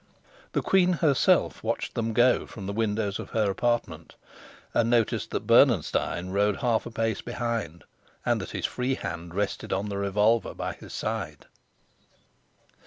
The queen herself watched them go from the windows of her apartment, and noticed that Bernenstein rode half a pace behind, and that his free hand rested on the revolver by his side.